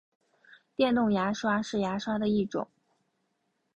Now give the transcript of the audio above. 电动牙刷是牙刷的一种。